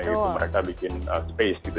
itu mereka bikin space gitu